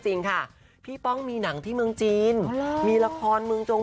เดินทางมาดูตัวพี่ป้องเลย